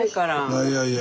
いやいやいや。